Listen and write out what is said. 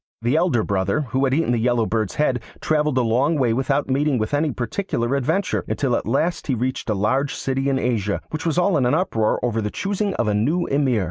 The elder brother, who had eaten the Yellow Bird's head, travelled a long way without meeting with any particular adventure, until at last he reached a large city in Asia, which was all in an uproar over the choosing of a new Emir.